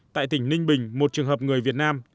tại tỉnh ninh bình một trường hợp người việt nam